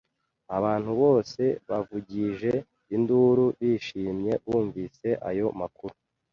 Abantu bose bavugije induru bishimye bumvise ayo makuru.